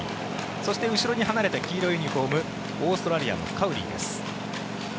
そして、後ろに離れて黄色いユニホームオーストラリアのカウリーです。